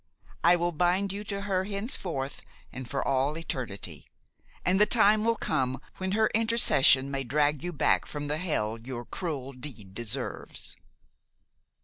I will bind you to her henceforth and for all eternity, and the time will come when her intercession may drag you back from the hell your cruel deed deserves."